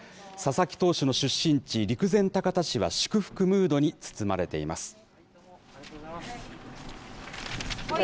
佐々木投手の出身地、陸前高田市は祝福ムードに包まれています。